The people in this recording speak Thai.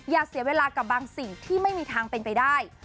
อย่าเสียเวลากับบางสิ่งที่ไม่มีทางเป็นไปได้